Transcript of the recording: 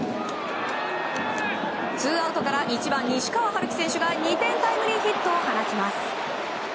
ツーアウトから１番、西川遥輝選手が２点タイムリーヒットを放ちます。